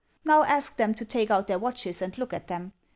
Now ask them to take out their watches and look at them.